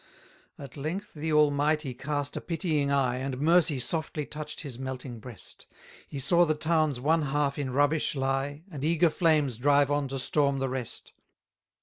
280 At length the Almighty cast a pitying eye, And mercy softly touch'd his melting breast: He saw the town's one half in rubbish lie, And eager flames drive on to storm the rest.